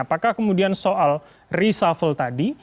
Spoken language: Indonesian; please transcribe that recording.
apakah kemudian soal reshuffle tadi